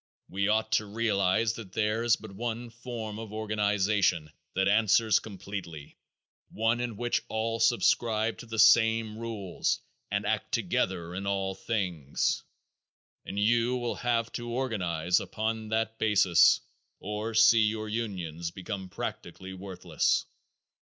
We ought to realize that there is but one form of organization that answers completely, one in which all subscribe to the same rules and act together in all things, and you will have to organize upon that basis or see your unions become practically worthless.